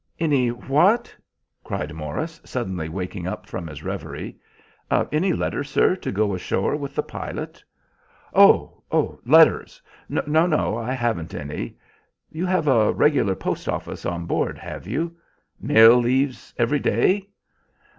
"Any what?" cried Morris, suddenly waking up from his reverie. "Any letters, sir, to go ashore with the pilot?" "Oh, letters. No, no, I haven't any. You have a regular post office on board, have you? Mail leaves every day?"